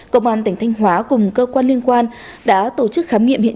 công an tỉnh thanh hóa cùng cơ quan liên quan đã tổ chức khám nghiệm hiện